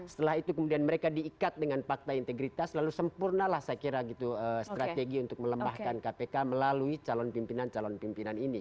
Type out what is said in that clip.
setelah itu kemudian mereka diikat dengan fakta integritas lalu sempurnalah saya kira gitu strategi untuk melemahkan kpk melalui calon pimpinan calon pimpinan ini